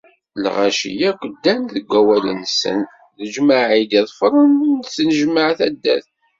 Lɣaci akk ddan deg wawal-nsen, lǧemɛa i d-iḍfren, tennejmaɛ taddart.